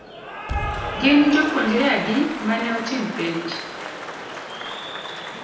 Gin jopuonjre adi mane otim penj.